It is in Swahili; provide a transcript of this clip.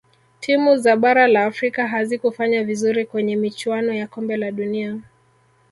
timu za bara la afrika hazikufanya vizuri kwenye michuano ya kombe la dunia